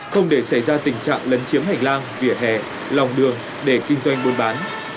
không để xảy ra tình trạng lấn chiếm hành lang vỉa hè lòng đường để kinh doanh buôn bán